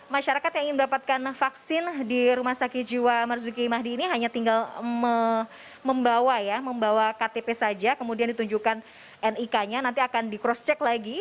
masyarakat yang ingin mendapatkan vaksin di rumah sakit jiwa marzuki mahdi ini hanya tinggal membawa ya membawa ktp saja kemudian ditunjukkan nik nya nanti akan di cross check lagi